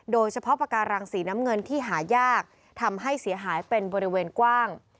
โดยเฉพาะปากการังสีน้ำเงินที่หายากทำให้เสียหายเป็นบริเวณกว้าง